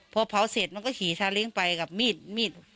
พอเผาเสร็จมันก็ขี่ซาเล้งไปกับมีดมีด